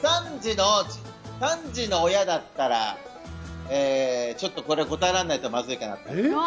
３児の親だったらちょっとこれを答えられないとまずいかなと。